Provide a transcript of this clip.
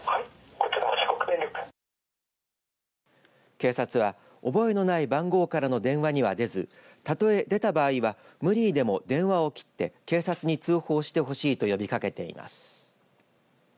警察は覚えのない番号からの電話には出ずたとえ、出た場合は無理にでも電話を切って警察に通報してほしいと呼びかけています。